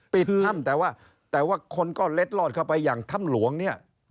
ปิดธรรมแต่ว่าคนเล็ดรอดเข้าไปอย่างธรรมหลวงเนี้ย